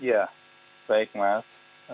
ya baik mas